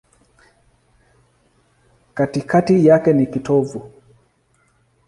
Katikati yake ni kitovu.